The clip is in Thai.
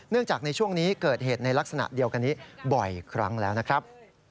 จากในช่วงนี้เกิดเหตุในลักษณะเดียวกันนี้บ่อยครั้งแล้วนะครับ